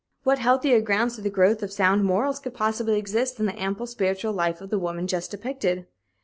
What healthier grounds for the growth of sound morals could possibly exist than the ample spiritual life of the woman just depicted?